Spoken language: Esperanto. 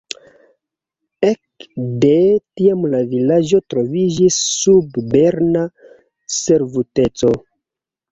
Ek de tiam la vilaĝo troviĝis sub berna servuteco.